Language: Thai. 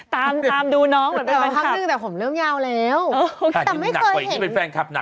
ตามดูน้องเหมือนเป็นแฟนคัท